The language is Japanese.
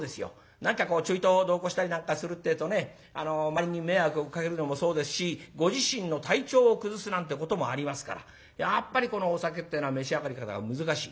何かこうちょいと同行したりなんかするってえとね周りに迷惑をかけるのもそうですしご自身の体調を崩すなんてこともありますからやっぱりこのお酒ってえのは召し上がり方が難しい。